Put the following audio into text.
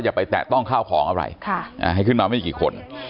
อย่าไปแตะต้องข้าวของอะไรให้ขึ้นมาไม่กี่คน